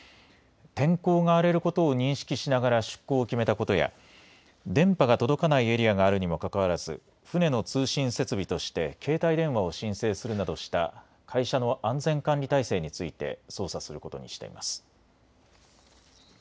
天候が荒れることを認識しながら出航を決めたことや電波が届かないエリアがあるにもかかわらず船の通信設備として携帯電話を申請するなどした会社の安全管理体制について捜査することにしています。